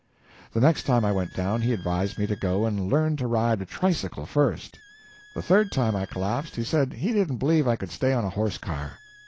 The next time I went down he advised me to go and learn to ride a tricycle first. The third time I collapsed he said he didn't believe I could stay on a horse car.